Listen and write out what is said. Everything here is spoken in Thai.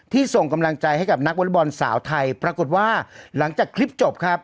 ส่งกำลังใจให้กับนักวอเล็กบอลสาวไทยปรากฏว่าหลังจากคลิปจบครับ